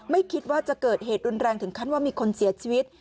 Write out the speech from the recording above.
ไม่คิดว่าจะเกิดเหตุรุนแรงถึงขั้นว่ามีคนเสียชีวิต